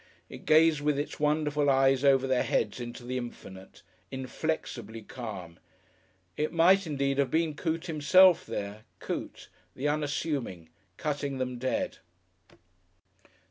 It gazed with its wonderful eyes over their heads into the infinite inflexibly calm. It might indeed have been Coote himself there, Coote, the unassuming, cutting them dead....